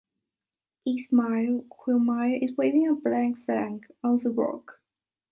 Ismail Qemali is waving a blank flag on the rock.